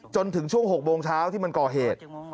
จนถึงช่วง๖โมงเช้าที่มันก่อเหตุ